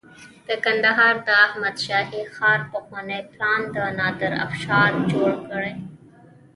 د کندهار د احمد شاهي ښار پخوانی پلان د نادر افشار جوړ کړی